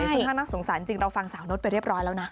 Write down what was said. ค่อนข้างน่าสงสารจริงเราฟังสาวนดไปเรียบร้อยแล้วนะ